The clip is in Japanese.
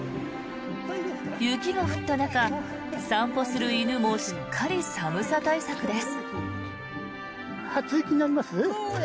雪が降った中、散歩する犬もしっかり寒さ対策です。